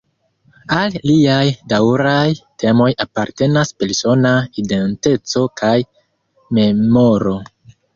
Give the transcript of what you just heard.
Al liaj daŭraj temoj apartenas persona identeco kaj memoro.